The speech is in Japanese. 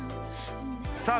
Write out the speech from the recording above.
さあ